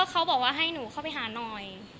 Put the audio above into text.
เขาบอกว่าให้หนูเข้าไปหาหน่อย